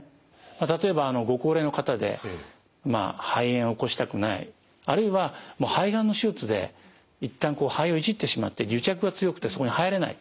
例えばご高齢の方で肺炎を起こしたくないあるいはもう肺がんの手術で一旦肺をいじってしまって癒着が強くてそこに入れない。